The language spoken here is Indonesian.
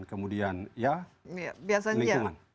kemudian ya lingkungan